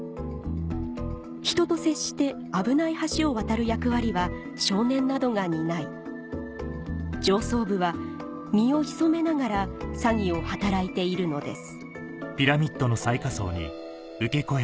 人と接して危ない橋を渡る役割は少年などが担い上層部は身を潜めながら詐欺を働いているのです